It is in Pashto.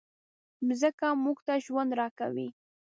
مځکه موږ ته ژوند راکوي.